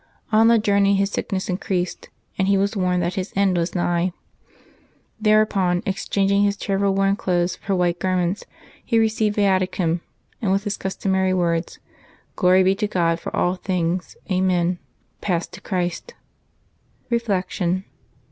On the journey his sickness increased, and he was warned that his end was nigh. Thereupon, exchang ing his travel stained clothes for white garments, he re ceived Yiaticum, and with his customary words, " Glory be to God for all things. Amen," passed to Christ. Reflection.